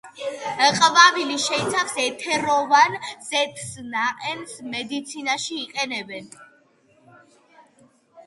ყვავილი შეიცავს ეთეროვან ზეთს; ნაყენს მედიცინაში იყენებენ.